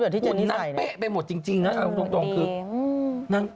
แหละนี่แหละนี่แหละเราต้องมีตรงคืออุ้ดอุดง